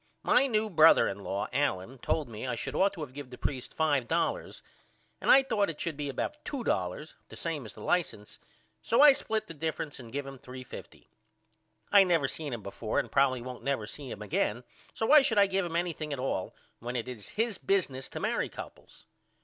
My new brother in law Allen told me I should ought to give the preist $5 and I thought it should be about $2 the same as the license so I split the difference and give him $3.50. I never seen him before and probily won't never see him again so why should I give him anything at all when it is his business to marry couples?